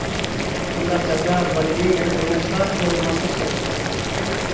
بۇنداق چاغدا بالىنى يەنە ئويناشقا زورلىماسلىق كېرەك.